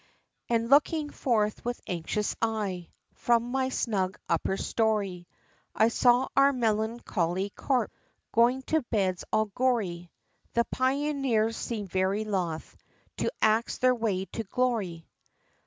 VIII. And looking forth with anxious eye, From my snug upper story, I saw our melancholy corps, Going to beds all gory; The pioneers seem'd very loth To axe their way to glory.